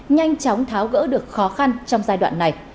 nhanh chóng tháo gỡ được khó khăn trong giai đoạn này